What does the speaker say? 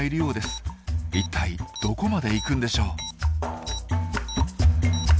一体どこまで行くんでしょう？